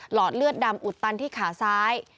อดเลือดดำอุดตันที่ขาซ้าย